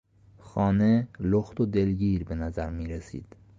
خانه لخت و دلگیر به نظر میرسید.